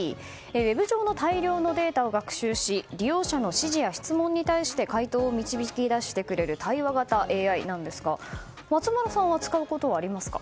ウェブ上の大量のデータを学習し利用者の指示や質問に対して回答を導き出してくれる対話型ＡＩなんですが松丸さんは使うことはありますか。